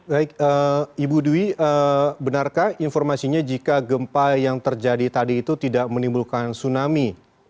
baik ibu dwi benarkah informasinya jika gempa yang terjadi tadi itu tidak menimbulkan tsunami